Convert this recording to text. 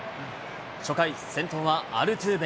初回、先頭はアルトゥーベ。